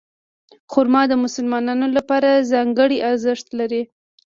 خرما د مسلمانانو لپاره ځانګړی ارزښت لري.